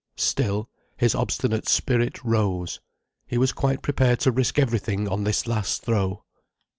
Still—his obstinate spirit rose—he was quite prepared to risk everything on this last throw.